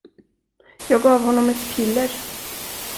Jag gav honom ett piller.